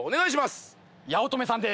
八乙女さんで。